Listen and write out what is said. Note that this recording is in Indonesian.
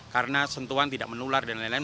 karena sentuhan tidak menular dan lain lain